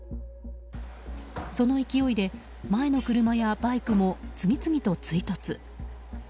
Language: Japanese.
その勢いで、前の車やバイクも次々と追突。